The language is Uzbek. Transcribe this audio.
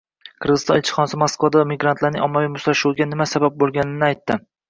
Qirg‘iziston elchixonasi Moskvada migrantlarning ommaviy mushtlashuviga nima sabab bo‘lganini aytdi